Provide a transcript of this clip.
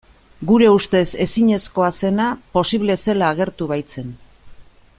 Gure ustez ezinezkoa zena posible zela agertu baitzen.